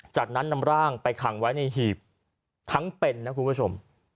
จากนั้นนำร่างไปขังไว้ในหีบทั้งเป็นนะคุณผู้ชม